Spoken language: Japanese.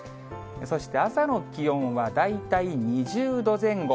そして朝の気温は大体２０度前後。